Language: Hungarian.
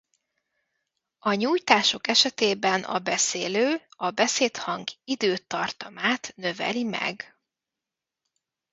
A nyújtások esetében a beszélő a beszédhang időtartamát növeli meg.